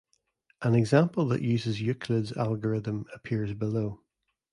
An example that uses Euclid's algorithm appears below.